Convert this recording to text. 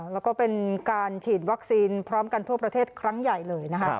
แล้วก็เป็นการฉีดวัคซีนพร้อมกันทั่วประเทศครั้งใหญ่เลยนะคะ